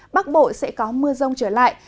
bắc bộ sẽ có mưa rông trở lại